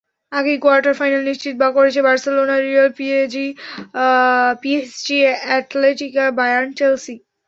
আগেই quarter final নিশ্চিত করেছে Barcelona, Real, PSG, Atletico, Bayern, Chelsea.